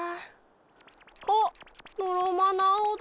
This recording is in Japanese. あっのろまなアオだ。